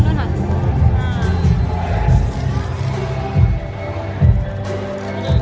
สโลแมคริปราบาล